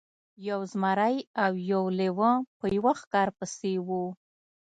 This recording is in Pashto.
یو زمری او یو لیوه په یوه ښکار پسې وو.